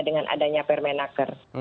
dengan adanya permenaker